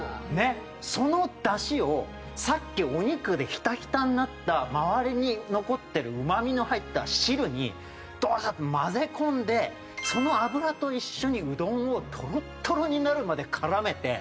そのダシをさっきお肉でヒタヒタになった周りに残ってるうまみの入った汁にドヒャッと混ぜ込んでその油と一緒にうどんをトロットロになるまで絡めて。